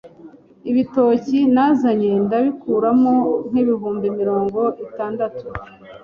Ibitoki nazanye ndabikuramo nk’ibihumbi mirongo itandatu